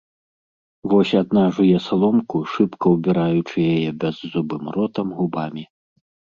Вось адна жуе саломку, шыбка ўбіраючы яе бяззубым ротам, губамі.